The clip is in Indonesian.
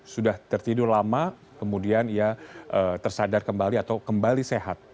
sudah tertidur lama kemudian ia tersadar kembali atau kembali sehat